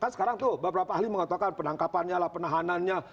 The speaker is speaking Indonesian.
sekarang tuh beberapa ahli mengatakan penangkapannya penahanannya